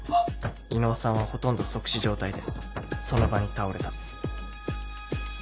伊能さんはほとんど即死状態でその場に倒れた。